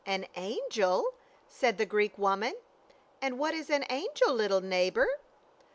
"An angel?" said the Greek woman, "And what is an angel, little neighbor?"